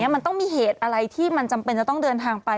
มันต้องมีเหตุอะไรที่มันจำเป็นจะต้องเดินทางไป